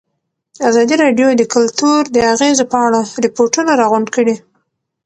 ازادي راډیو د کلتور د اغېزو په اړه ریپوټونه راغونډ کړي.